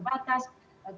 resursus kita sangat terbatas